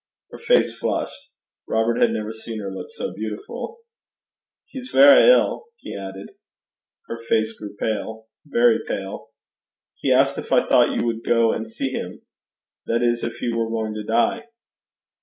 Her face flushed. Robert had never seen her look so beautiful. 'He's verra ill,' he added. Her face grew pale very pale. 'He asked if I thought you would go and see him that is if he were going to die.'